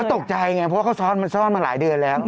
เขาตกใจแงะเพราะเขาซ่อนมาหลายเดือนแล้ว